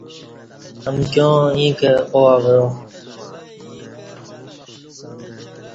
امکیاں ییں کہ او اوعا